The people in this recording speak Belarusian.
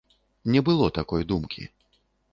Не было такой думкі.